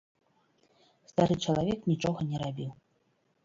Стары чалавек нічога не рабіў.